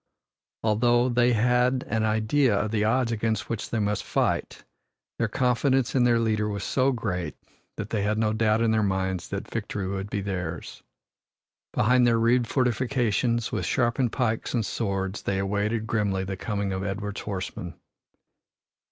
Although they had an idea of the odds against which they must fight, their confidence in their leader was so great that they had no doubt in their minds that victory would be theirs. Behind their rude fortifications, with sharpened pikes and swords, they awaited grimly the coming of Edward's horsemen.